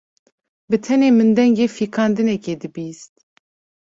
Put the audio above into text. Bi tenê min dengê fîkandinekê dibihîst.